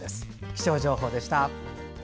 気象情報でした。